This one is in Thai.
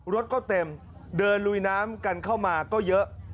รถก็เต็มเดินลุยน้ำกันเข้ามาก็เยอะ